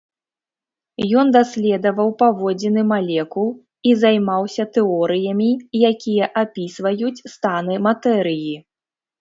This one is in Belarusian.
Ён даследаваў паводзіны малекул і займаўся тэорыямі, якія апісваюць станы матэрыі.